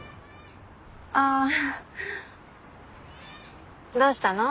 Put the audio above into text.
あどうしたの？